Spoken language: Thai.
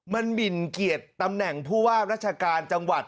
มันหมินเกียรติตำแหน่งผู้ว่าราชการจังหวัด